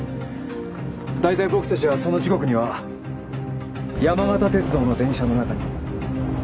大体僕達はその時刻には山形鉄道の電車の中に。